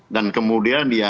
dan kemudian ya